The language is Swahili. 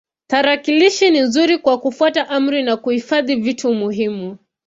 Tarakilishi ni nzuri kwa kufuata amri na kuhifadhi vitu muhimu.